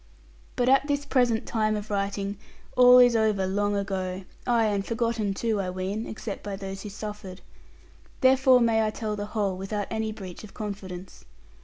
But at this present time of writing, all is over long ago; ay and forgotten too, I ween, except by those who suffered. Therefore may I tell the whole without any breach of confidence.